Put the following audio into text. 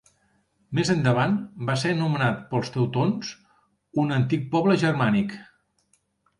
Més endavant va ser anomenat pels teutons, un antic poble germànic.